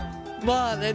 まあね。